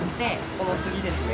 その次ですね。